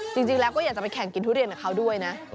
จริงแล้วก็อยากจะไปแข่งกินทุเรียนกับเขาด้วยนะ